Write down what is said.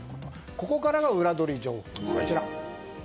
ここからがウラどり情報。